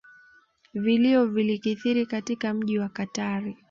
Vilio vilikithiri katika mji wa katari